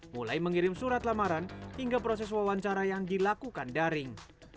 mulai mengirim surat lamaran hingga proses wawancara yang dilakukan daring